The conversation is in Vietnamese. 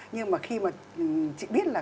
nhưng mà khi mà chị biết là